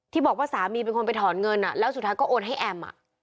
บอกว่าสามีเป็นคนไปถอนเงินแล้วสุดท้ายก็โอนให้แอม